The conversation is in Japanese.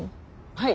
はい。